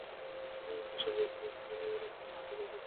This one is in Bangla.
একই সঙ্গে চ্যানেল আইয়ের একটি নাটকের কাজ করার কথাও চূড়ান্ত ছিল।